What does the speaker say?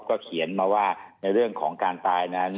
ก็เขียนมาว่าในเรื่องของการตายนั้น